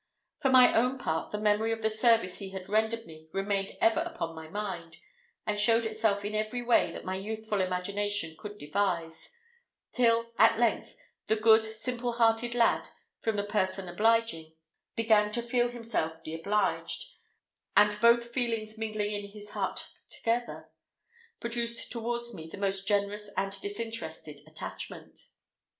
For my own part, the memory of the service he had rendered me remained ever upon my mind, and showed itself in every way that my youthful imagination could devise; till, at length, the good simple hearted lad, from the person obliging, began to feel himself the obliged, and both feelings mingling in his heart together, produced towards me the most generous and disinterested attachment.